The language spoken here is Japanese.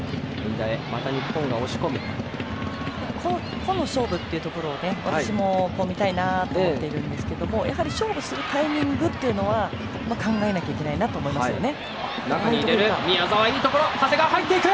個の勝負というところは私も見たいなと思っているんですけどやはり、勝負するタイミングというのは考えなきゃいけないですね。